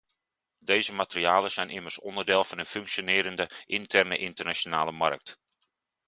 Deze materialen zijn immers onderdeel van een functionerende, interne, internationale markt.